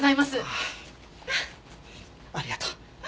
ああありがとう。